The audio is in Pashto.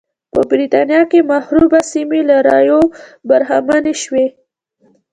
په برېټانیا کې مخروبه سیمې له رایو برخمنې شوې.